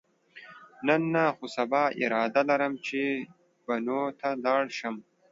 نن نه، خو سبا اراده لرم چې بنو ته لاړ شم.